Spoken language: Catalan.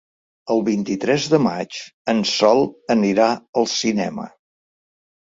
El vint-i-tres de maig en Sol anirà al cinema.